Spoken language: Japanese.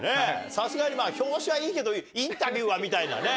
さすがに表紙はいいけど、インタビューはみたいなね。